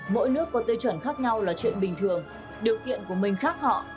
mỗi nước có tiêu chuẩn khác nhau là chuyện bình thường điều kiện của mình khác họ